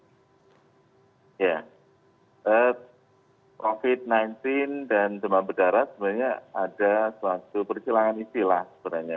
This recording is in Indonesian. ya covid sembilan belas dan demam berdarah sebenarnya ada suatu persilangan istilah sebenarnya